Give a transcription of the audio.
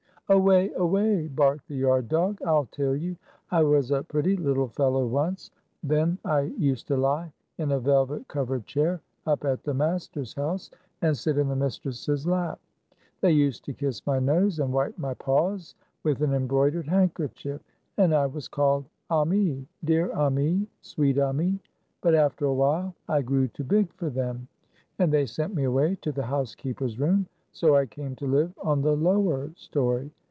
"Away! Away!" barked the yard dog. "I'll tell you. I was a pretty little fellow once. Then I used to lie in a velvet covered chair, up at the master's house, and sit in the mistress's lap. They used to kiss my nose, and wipe my paws with an embroidered handkerchief, and I was called 'Ami,' 'Dear Ami,' 'Sweet Ami.' But after a while I grew too big for them, and they sent me away to the housekeeper's room; so I came to live on the lower story.